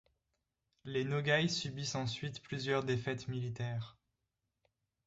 Les Nogaïs subissent ensuite plusieurs défaites militaires.